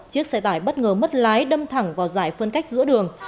chiếc xe tải bất ngờ mất lái đâm thẳng vào giải phân cách giữa đường